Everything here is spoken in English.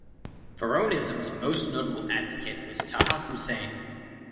Pharaonism's most notable advocate was Taha Hussein.